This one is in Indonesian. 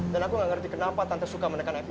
lo pake baju siapa lagi